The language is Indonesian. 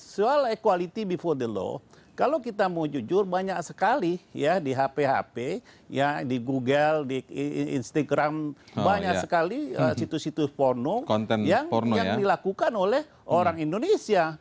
soal equality before the law kalau kita mau jujur banyak sekali ya di hp hp di google di instagram banyak sekali situs situs porno yang dilakukan oleh orang indonesia